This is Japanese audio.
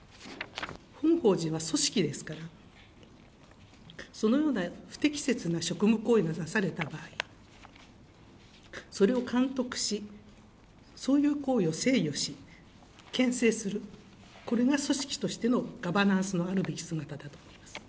本法人は組織ですから、そのような不適切な職務行為がなされた場合、それを監督し、そういう行為を制御し、けん制する、これが組織としてのガバナンスのあるべき姿だと思います。